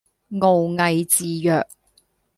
傲睨自若